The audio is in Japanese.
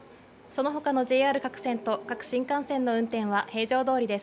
ＪＲ各線と各新幹線の運転は、平常どおりです。